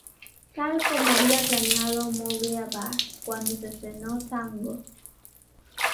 Tal como había planeado Moglia Barth, cuando se estrenó "¡Tango!